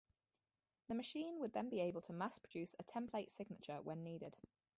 The machine would then be able to mass-produce a template signature when needed.